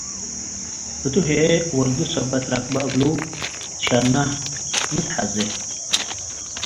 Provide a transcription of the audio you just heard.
ህቱ ህዬ ወልዱ ሰበት ረከብከ እግሉ፡ “ትሸነህ! ሚ ትሐዜ